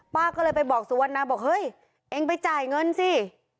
ป้าก็เลยไปบอกสุวรรณาบอกเฮ้ยเองไปจ่ายเงินสิ